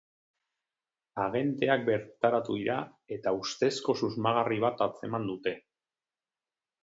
Agenteak bertaratu dira, eta ustezko susmagarri bat atzeman dute.